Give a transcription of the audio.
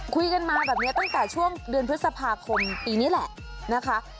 คุยกันมาแบบนี้ตั้งแต่ช่วงเดือนพฤษภาคมปีนี้แหละนะคะ